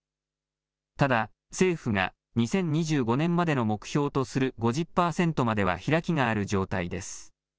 ただ政府が２０２５年までの目標とする５０％までは開きがある状態です。